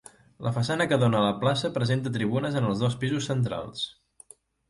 La façana que dóna a la plaça presenta tribunes en els dos pisos centrals.